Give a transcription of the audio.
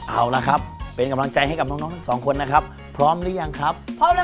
เอาล่ะครับเป็นกำลังใจให้กับน้องทั้ง๒คนนะครับพร้อมหรือยังครับ